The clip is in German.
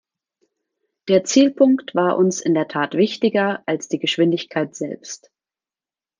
Der Zielpunkt war uns in der Tat wichtiger als die Geschwindigkeit selbst.